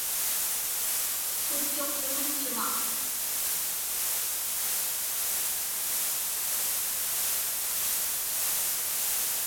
Kutchuqtuŋitchuŋa.